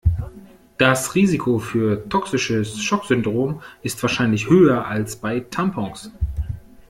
Das Risiko für toxisches Schocksyndrom ist wahrscheinlich höher als bei Tampons.